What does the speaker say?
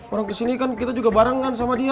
orang kesini kan kita juga bareng kan sama dia